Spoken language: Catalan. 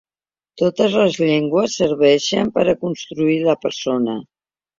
Totes les llengües serveixen per a construir la persona.